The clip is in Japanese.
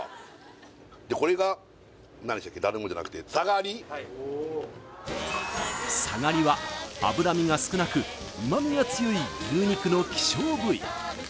ダルムじゃなくてさがりは脂身が少なく旨みが強い牛肉の希少部位